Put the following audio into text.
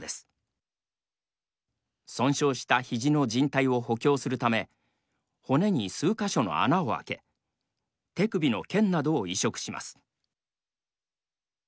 損傷したひじのじん帯を補強するため骨に数か所の穴を開け手首の腱などを移植します。